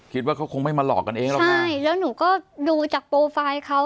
คิดว่าเขาคงไม่มาหลอกกันเองหรอกใช่แล้วหนูก็ดูจากโปรไฟล์เขา